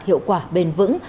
hiệu quả bền vững